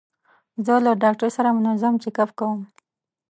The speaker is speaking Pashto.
زه له ډاکټر سره منظم چیک اپ کوم.